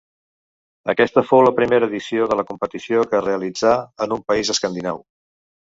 Aquesta fou la primera edició de la competició que es realitzà en un país escandinau.